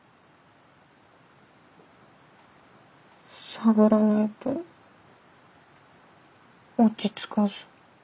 探らないと落ち着かず。